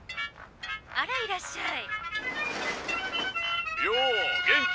「あらいらっしゃい」。